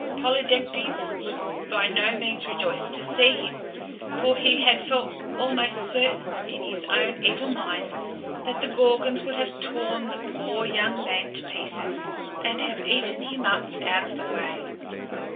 Polydectes was by no means rejoiced to see him, for he had felt almost certain, in his own evil mind, that the Gorgons would have torn the poor young man to pieces and have eaten him up out of the way.